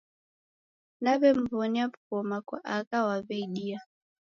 Naw'emw'onia w'ughoma kwa agha waw'eidia